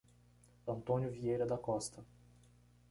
Antônio Vieira da Costa